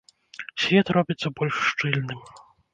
Свет робіцца больш шчыльным.